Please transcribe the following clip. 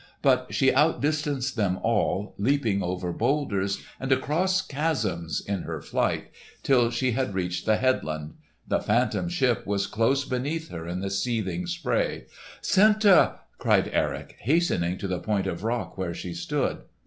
But she outdistanced them all, leaping over boulders and across chasms in her flight, till she had reached the headland. The Phantom Ship was close beneath her in the seething spray. "Senta!" cried Erik, hastening to the point of rock where she stood.